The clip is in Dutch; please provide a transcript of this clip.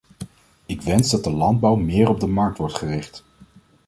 Ik wens dat de landbouw meer op de markt wordt gericht.